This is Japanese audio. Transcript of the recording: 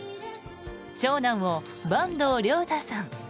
長男を坂東龍汰さん